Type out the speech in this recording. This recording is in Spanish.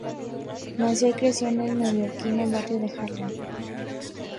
Nació y creció en el neoyorquino barrio de Harlem.